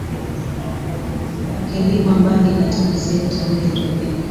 Tukilima bangi katika sehemu za Nyeri pekee